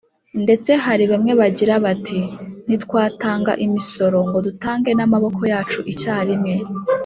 ndetse hari bamwe bagira bati: ntitwatanga imisoro ngo dutange n’amaboko yacu icyarimwe”